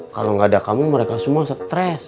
kalau nggak ada kamu mereka semua stres